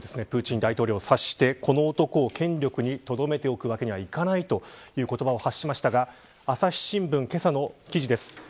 プーチン大統領を指してこの男を権力にとどめておくわけにはいかないということを発しましたが朝日新聞、けさの記事です。